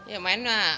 ya main lah